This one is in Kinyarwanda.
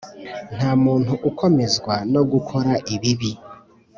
nta muntu ukomezwa no gukora ibibi,